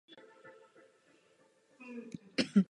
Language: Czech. V současné době je situace velice vyostřená.